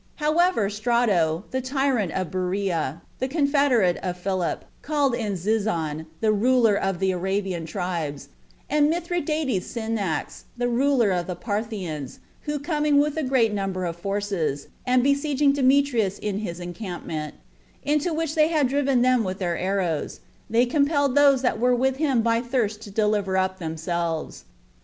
However Strato, the tyrant of Berea, the confederate of Philip, called in Zizon, the ruler of the Arabian tribes, and Mithridates Sinax, the ruler of the Parthians, who coming with a great number of forces, and besieging Demetrius in his encampment, into which they had driven them with their arrows, they compelled those that were with him by thirst to deliver up themselves.